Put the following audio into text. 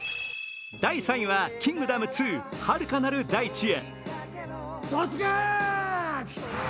第３位は「キングダム２遥かなる大地へ」。